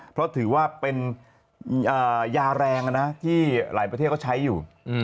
เพราะถือว่าเป็นยาแรงนะที่หลายประเทศก็ใช้อยู่